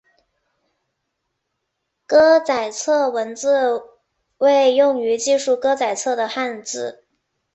歌仔册文字为用于记述歌仔册的汉字。